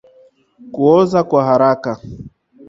Kuoza kwa haraka